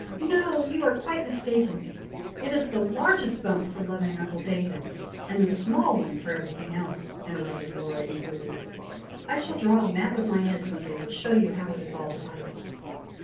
"No! you are quite mistaken! It is the largest bump for loving uncle David, and the small one for every thing else," interrupted Laura, eagerly. "I shall draw a map of my head some day, to show you how it is all divided."